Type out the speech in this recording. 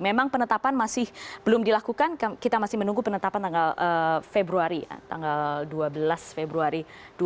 memang penetapan masih belum dilakukan kita masih menunggu penetapan tanggal februari tanggal dua belas februari dua ribu dua puluh